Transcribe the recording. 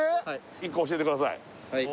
１個教えてください